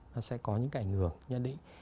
nó sẽ có những cái ảnh hưởng nhất định